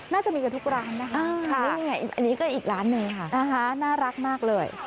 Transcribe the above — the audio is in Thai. น่าจะมีกันทุกร้านนะคะนี่ไงอันนี้ก็อีกร้านหนึ่งค่ะน่ารักมากเลย